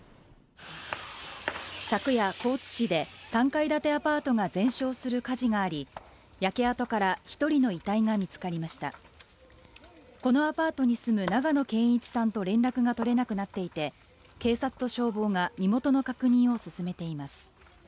昨夜高知市で３階建てアパートが全焼する火事があり焼け跡から一人の遺体が見つかりましたこのアパートに住む永野憲一さんと連絡が取れなくなっていて警察と消防が身元の確認を進めています